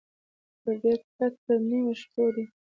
پردى کټ تر نيمو شپو دى.